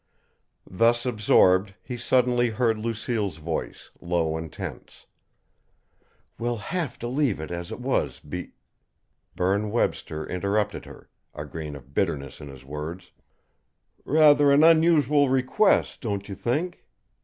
Thus absorbed, he suddenly heard Lucille's voice, low and tense: "We'll have to leave it as it was be " Berne Webster interrupted her, a grain of bitterness in his words: "Rather an unusual request, don't you think?"